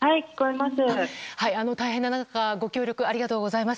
大変な中、ご協力ありがとうございます。